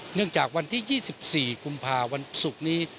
เนื่องจากวันที่๒๔กุมภาวันศุกร์นี้